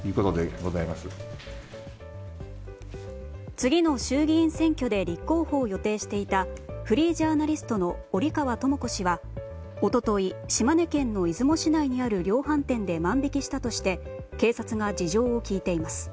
次の衆議院選挙で立候補を予定していたフリージャーナリストの折川朋子氏がおととい、島根県の出雲市内にある量販店で万引きしたとして警察が事情を聴いています。